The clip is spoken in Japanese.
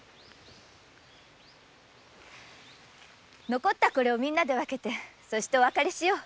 残ったこれをみんなで分けてお別れしよう。